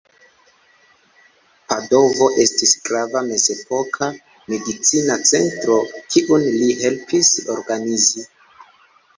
Padovo estis grava mezepoka medicina centro, kiun li helpis organizi.